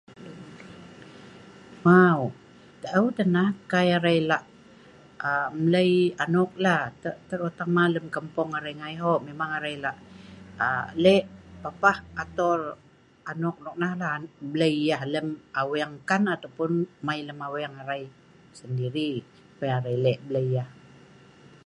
Mauu.. taeu tah nah, kai arai lak aa.. mlei anok la, ter...terutama lem kampung arai ngai hoo, memang arai lak aa.. lek papah atol anok noknah la, blei yah lem aweng enkan ataupun mai lem aweng arai ngai sendiri supaya arai lek blei yah.